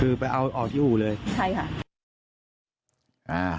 คือไปเอาออกที่อู่เลยใช่ค่ะ